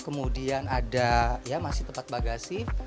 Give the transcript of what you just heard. kemudian ada preguntas bagasi